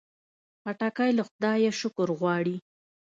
خټکی له خدایه شکر غواړي.